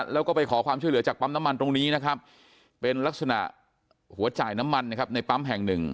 แล้วก็ไปขอความช่วยเหลือจากปั๊มน้ำมันตรงนี้นะครับเป็นลักษณะหัวจ่ายน้ำมันนะครับในปั๊มแห่งหนึ่ง